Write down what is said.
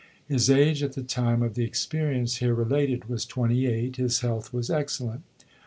His age at the time of the experience here related was twenty eight. His health was excellent.